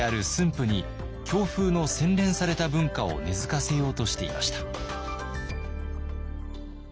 府に京風の洗練された文化を根づかせようとしていました。